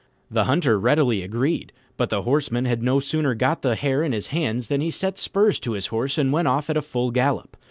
The Hunter readily agreed; but the Horseman had no sooner got the hare in his hands than he set spurs to his horse and went off at full gallop.